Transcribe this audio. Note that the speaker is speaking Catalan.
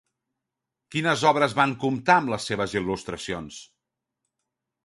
Quines obres van comptar amb les seves il·lustracions?